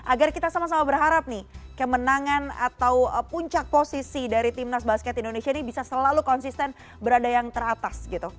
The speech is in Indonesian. agar kita sama sama berharap nih kemenangan atau puncak posisi dari timnas basket indonesia ini bisa selalu konsisten berada yang teratas gitu